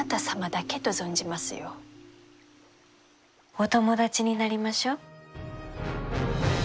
お友達になりましょう。